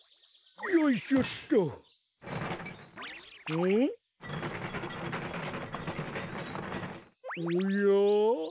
おや？